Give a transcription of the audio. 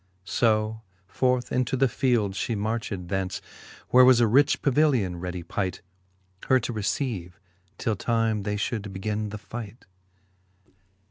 So forth into the field fhe marched thence, Where was a rich pavilion ready pight. Her to receive, till time they fhould begin the fight.